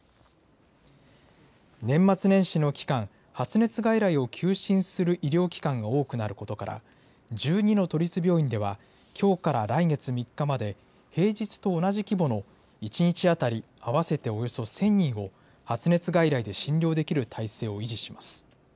年末年始の期間、発熱外来を休診する医療機関が多くなることから、１２の都立病院では、きょうから来月３日まで、平日と同じ規模の１日当たり合わせておよそ１０００人を発熱外来で診療できる体制を維持します。